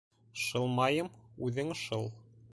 - Шылмайым, үҙең шыл.